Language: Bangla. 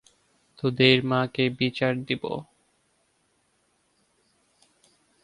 তোদের মাকে বিচার দেব।